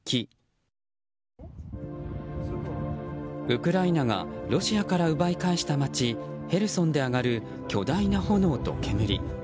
ウクライナがロシアから奪い返した街ヘルソンで上がる巨大な炎と煙。